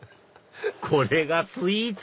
これがスイーツ？